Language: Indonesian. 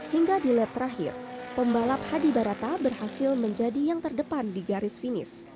hingga di lap terakhir pembalap hadi barata berhasil menjadi yang terdepan di garis finish